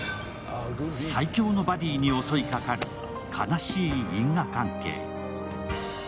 最強のバディに襲いかかる悲しい因果関係。